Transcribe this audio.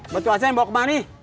batu asah yang bawa kemari